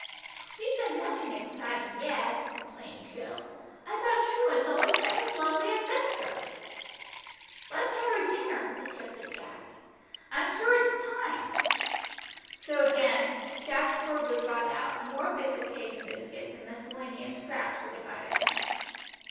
"We've done nothing exciting yet," complained Jill. "I thought truants always met with lovely adventures." "Let's have our dinner," suggested Jack, "I'm sure it's time." So again Jack's hoard was brought out, and more bits of cake and biscuits and miscellaneous scraps were divided round.